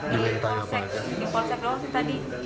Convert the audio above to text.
di polsek doang tadi